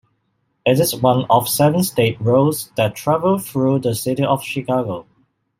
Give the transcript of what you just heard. It is one of seven state roads that travel through the city of Chicago.